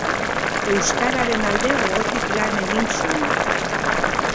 Euskararen alde gogotik lan egin zuen.